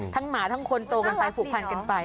หมาทั้งคนโตกันไปผูกพันกันไป